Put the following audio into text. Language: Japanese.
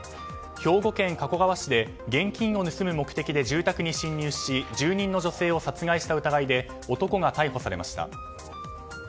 兵庫県加古川市で現金を盗む目的で住宅に侵入し住人の女性を殺害した疑いで男が逮捕されました。